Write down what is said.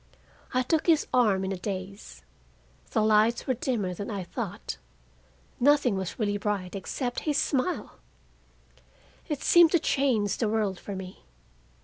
I took his arm in a daze. The lights were dimmer than I thought; nothing was really bright except his smile. It seemed to change the world for me.